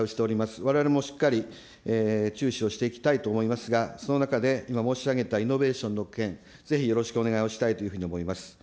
われわれもしっかり注視をしていきたいと思いますが、その中で今申し上げたイノベーションの件、ぜひよろしくお願いをしたいというふうに思います。